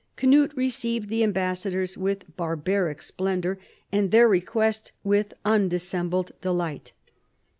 Cnut received the ambassadors with barbaric splendour and their request with undissembled delight.